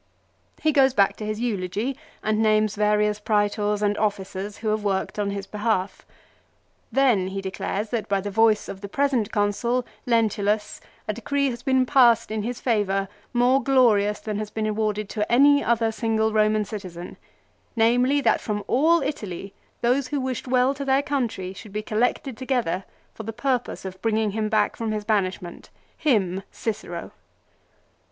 He goes back to his eulogy and names various Praetors and officers who have worked on his behalf. Then he declares that by the voice of the present Consul, Lentulus, a decree HIS RETURN FROM EXILE. 11 has been passed in liis favour more glorious than has been awarded to any other single Eoman citizen ; namely that from all Italy those who wished well to their country should be collected together for the purpose of bringing him back from his banishment, him Cicero.